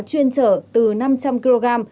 chuyên chở từ năm trăm linh kg